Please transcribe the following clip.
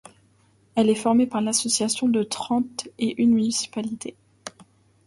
Elle est formée par l'association de trente et une municipalités.